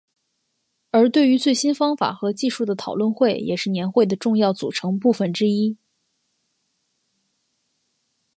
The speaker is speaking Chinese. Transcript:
而对于最新方法和技术的讨论会也是年会的重要组成部分之一。